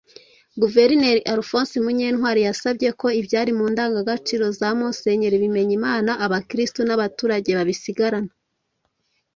Guverineri Alphonse Munyentwari yasabye ko ibyari mu ndangagaciro za Musenyeri Bimenyimana abakirisitu n’abaturage babisigarana